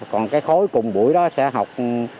còn cái khối cùng buổi đó sẽ học ba năm bảy